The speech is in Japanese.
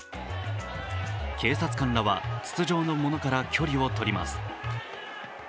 警察官らは筒状のものから距離を取ります。